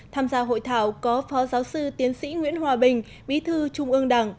tham gia hội thảo có phó giáo sư tiến sĩ nguyễn hòa bình bí thư trung ương đảng